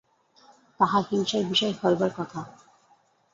তাহা হিংসার বিষয় হইবার কথা।